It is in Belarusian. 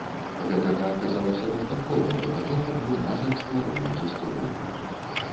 Гэтага аказалася дастаткова для таго, каб мы разам стварылі гісторыю.